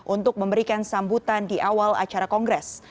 untuk memberikan sambutan di awal acara kongres